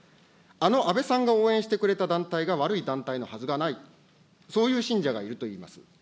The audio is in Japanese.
あの安倍さんが応援してくれた団体が悪い団体のはずがない、そういう信者がいるといいます。